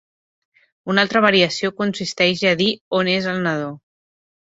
Una altra variació consisteix a dir "" On és el nadó?